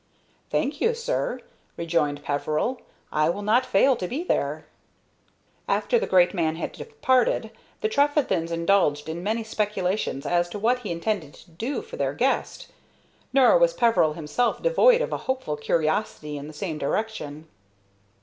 "Thank you, sir," rejoined Peveril; "I will not fail to be there." After the great man had departed, the Trefethens indulged in many speculations as to what he intended to do for their guest; nor was Peveril himself devoid of a hopeful curiosity in the same direction.